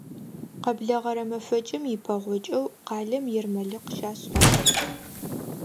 Къэблэгъэрэ мэфэкӀым ипэгъокӀэу къалэм ермэлыкъ щашӀыгъ.